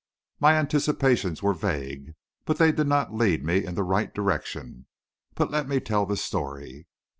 My anticipations were vague, but they did not lead me in the right direction. But let me tell the story.